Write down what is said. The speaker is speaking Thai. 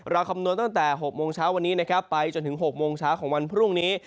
คำนวณตั้งแต่๖โมงเช้าวันนี้นะครับไปจนถึง๖โมงเช้าของวันพรุ่งนี้